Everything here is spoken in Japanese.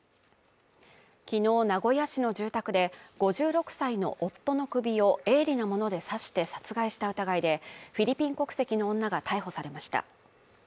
昨日名古屋市の住宅で、５６歳の夫の首を、鋭利なもので刺して殺害した疑いでフィリピン国籍の女が逮捕されました。